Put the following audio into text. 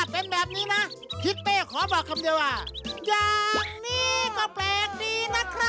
โปรดติดตามตอนต่อไป